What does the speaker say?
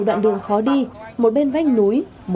xây đường đi khoảng bảy mươi km